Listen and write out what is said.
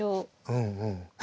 うんうん。